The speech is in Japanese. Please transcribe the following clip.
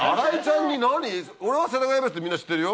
俺は世田谷ベースってみんな知ってるよ。